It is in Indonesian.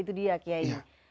nah itu dia kiai